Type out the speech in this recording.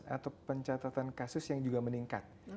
atau pencatatan kasus yang juga meningkat